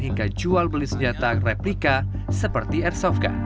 hingga jual beli senjata replika seperti airsoft gun